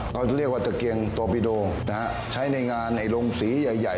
เขาจะเรียกว่าตะเกียงโตปิโดใช้ในงานโรงสีใหญ่